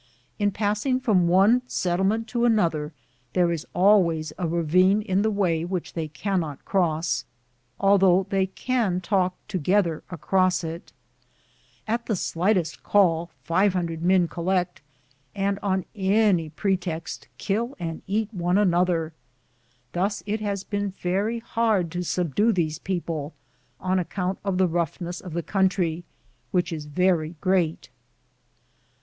In passing from one settlement to another, there is always a ravine in the way which they can not cross, although they can talk to gether across it. At the slightest call 500 men collect, and on any pretext kill and eat one another. Thus it has been very hard to subdue these people, on account of the rough ness of the country, which is very great.